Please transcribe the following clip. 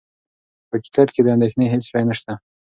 په حقیقت کې د اندېښنې هېڅ شی نه شته.